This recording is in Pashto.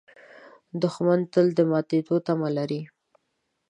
دښمن تل د ماتېدو تمه لري